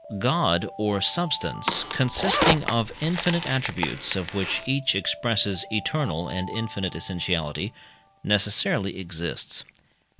God, or substance, consisting of infinite attributes, of which each expresses eternal and infinite essentiality, necessarily exists.